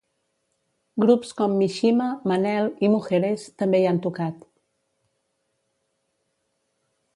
Grups com Mishima, Manel i Mujeres també hi han tocat.